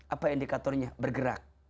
apa indikatornya bergerak